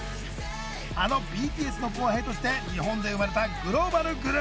あのＢＴＳの後輩として日本で生まれたグローバルグループ。